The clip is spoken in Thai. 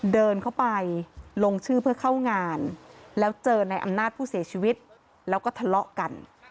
เดินเข้าไปลงชื่อเพื่อเข้างานแล้วเจอในอำนาจผู้เสียชีวิตแล้วก็ทะเลาะกัน